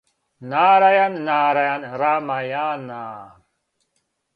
нарајан нарајан рамајана